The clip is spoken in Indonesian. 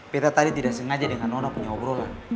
betta tadi tidak sengaja dengan nona punya obrolan